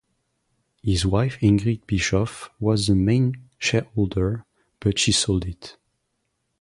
His wife Ingrid Bischoff was the main shareholder, but she sold it.